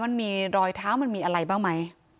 มันมีรอยเท้ามันมีอะไรบ้างไหม